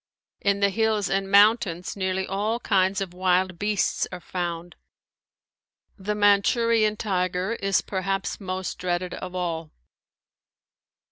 In the hills and mountains nearly all kinds of wild beasts are found. The Manchurian tiger is perhaps most dreaded of all.